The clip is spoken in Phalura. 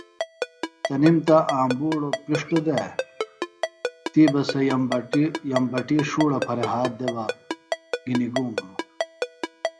تنِم تہ آمبُوڑوۡ پِݜٹوۡ دےۡ تی بہ سے یمبٹی ݜوڑہ پھرےۡ ہات دےۡ بہ گِھنیۡ گُوم ہِنوۡ